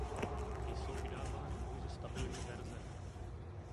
Jsou vydávány pouze stabilní verze.